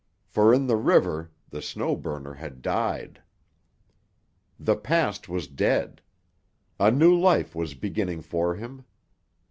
For in the river the Snow Burner had died. The past was dead. A new life was beginning for him.